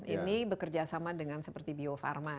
ini bekerja sama dengan seperti bio pharma kan